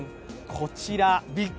こちら！